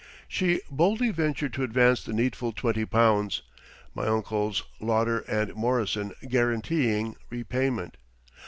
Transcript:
She boldly ventured to advance the needful twenty pounds, my Uncles Lauder and Morrison guaranteeing repayment.